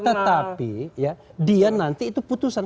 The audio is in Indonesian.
tetapi ya dia nanti itu putusan